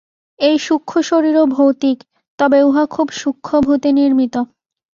এই সূক্ষ্মশরীরও ভৌতিক, তবে উহা খুব সূক্ষ্মভূতে নির্মিত।